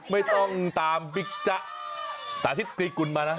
ไม่ต้องตามบิ๊กจ๊ะสาธิตกรีกุลมานะ